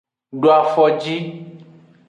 Do afoji.